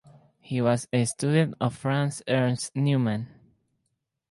He was a student of Franz Ernst Neumann.